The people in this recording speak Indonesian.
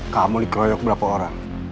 kamu dikroyok berapa orang